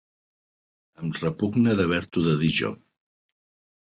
Em repugna d'haver-t'ho de dir jo.